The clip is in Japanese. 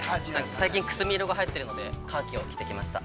最近くすみ色がはやってるので、カーキを着てきました。